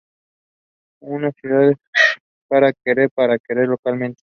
Una ciudad para querer, para querer locamente.